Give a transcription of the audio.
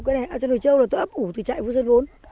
cái này chăn nuôi châu là tôi ấp ủ từ trại vũ sơn vốn